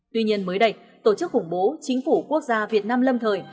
tuy nhiên mới đây tổ chức khủng bố chính phủ quốc gia việt nam lâm thời